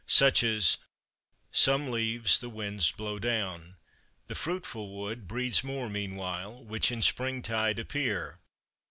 Such as: Some leaves the winds blow down: the fruitful wood Breeds more meanwhile, which in springtide appear.